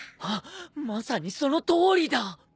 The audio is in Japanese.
ハッまさにそのとおりだ。